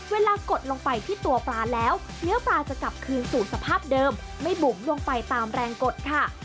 กดลงไปที่ตัวปลาแล้วเนื้อปลาจะกลับคืนสู่สภาพเดิมไม่บุ๋มลงไปตามแรงกดค่ะ